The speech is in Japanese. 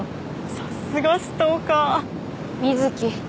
さすがストーカー瑞貴